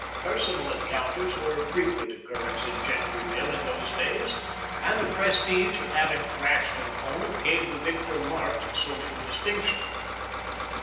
Personal encounters were of frequent occur rence in Gentryville in those days, and the prestige of having thrashed an opponent gave the victor marked social distinction.